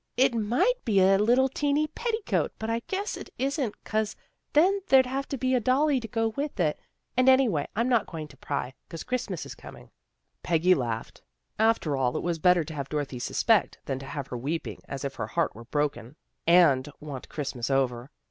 " It might be a little teenty petticoat, but I guess it isn't 'cause then there'd have to be a dolly to go with it. And, anyway, I'm not going to pry, 'cause Christmas is coming." Peggy laughed. After all it was better to have Dorothy suspect, than to have her weeping as if her heart were broken and wanting Christ 182 THE GIRLS OF FRIENDLY TERRACE mas over.